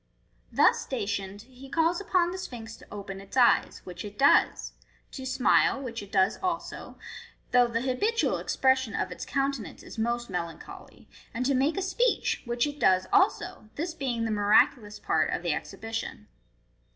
Thus stationed, he calls upon the Sphinx to open its eyes, which it does * to smile, which it does also, though the habitual expression of its countenance is most melancholy, and to make a speech, which it does also, this being the miraculous part of the exhibition.